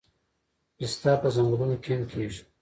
پسته په ځنګلونو کې هم کیږي